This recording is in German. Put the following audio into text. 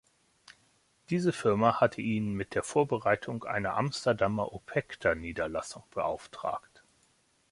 Diese Firma hatte ihn mit der Vorbereitung einer Amsterdamer Opekta-Niederlassung beauftragt.